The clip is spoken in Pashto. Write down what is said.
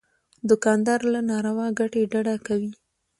دوکاندار له ناروا ګټې ډډه کوي.